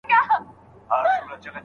ښوونکي تر اوسه په پښتو تدریس کړی دی.